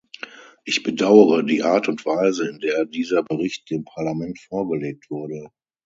Ich bedauere die Art und Weise, in der dieser Bericht dem Parlament vorgelegt wurde.